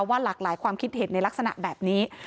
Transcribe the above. หลากหลายความคิดเห็นในลักษณะแบบนี้